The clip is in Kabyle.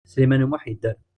Sliman U Muḥ yedder.